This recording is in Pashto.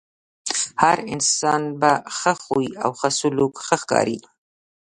هر انسان په ښۀ خوی او ښۀ سلوک ښۀ ښکاري .